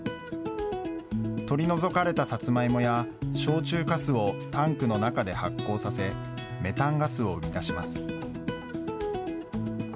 取り除かれたサツマイモや、焼酎かすをタンクの中で発酵させ、メタンガスを生み出します。